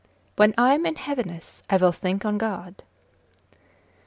When I am in heaviness, I will think on God.